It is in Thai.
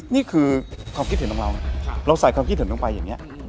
นี่คือความคิดเห็นของเราเราใส่ความคิดเห็นลงไปอย่างนี้